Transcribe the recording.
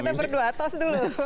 jadi kita berdua atos dulu